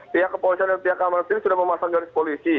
pihak kepolisian dan pihak keamanan sendiri sudah memasang garis polisi